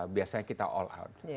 biasanya kita all out